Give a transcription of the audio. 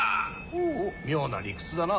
お妙な理屈だな。